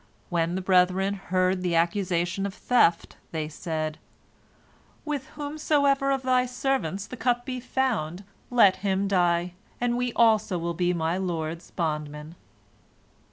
When the brethren heard the accusation of theft , they said: "With whomsoever of thy servants the cup be found, let him die, and we also will be my lord's bondmen."